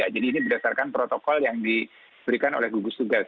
jadi ini berdasarkan protokol yang diberikan oleh gugus tugas